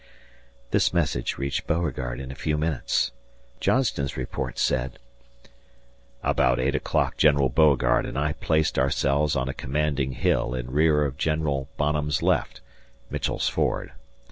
This message reached Beauregard in a few minutes. Johnston's report said: About 8 o'clock General Beauregard and I placed ourselves on a commanding hill in rear of Gen Bonham's left (Mitchell's Ford).